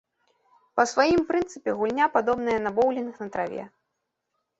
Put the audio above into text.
Па сваім прынцыпе гульня падобная на боўлінг на траве.